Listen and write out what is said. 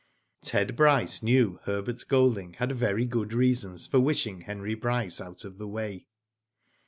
' Ted Bryce knew Herbert* Golding had very good reasons for wishing Henry Bryce out of the way.